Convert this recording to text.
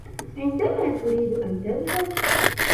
عندما تريد أن تذهب?